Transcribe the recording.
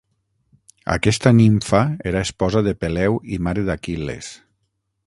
Aquesta nimfa era esposa de Peleu i mare d'Aquil·les.